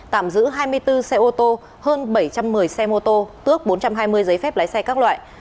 tạm giữ hai mươi bốn xe ô tô hơn bảy trăm một mươi xe mô tô tước bốn trăm hai mươi giấy phép lái xe các loại